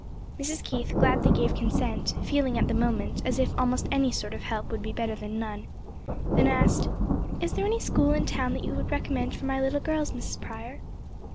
Mrs. Keith gladly gave consent, feeling at the moment as if almost any sort of help would be better than none; then asked, "Is there any school in town that you could recommend for my little girls, Mrs. Prior?"